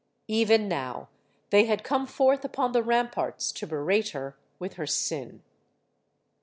Even now, they had come forth upon the ramparts to berate her with her sin.